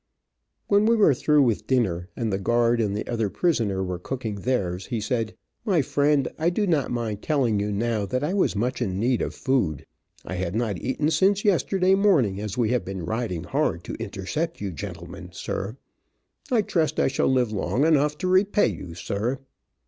When we were through with dinner and the guard and the other prisoner were cooking theirs, he said, "My friend, I do not mind telling you now that I was much in need of food. I had not eaten since yesterday morning, as we have been riding hard to intercept you gentlemen, sir. I trust I shall live long enough to repay, you sir."